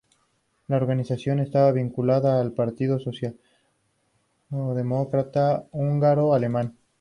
La organización estaba vinculada al Partido Socialdemócrata Húngaro-Alemán.